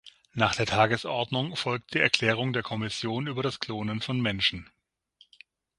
Nach der Tagesordnung folgt die Erklärung der Kommission über das Klonen von Menschen.